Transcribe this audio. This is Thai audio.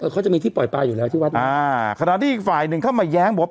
เขาจะมีที่ปล่อยปลาอยู่แล้วที่วัดอ่าขณะที่อีกฝ่ายหนึ่งเข้ามาแย้งบอกว่า